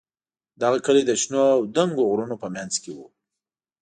دغه کلی د شنو او دنګو غرونو په منځ کې و.